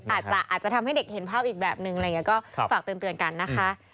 อาจจะทำให้เด็กเห็นภาพอีกแบบนึงอะไรอย่างนี้ก็ฝากเตือนกันนะคะ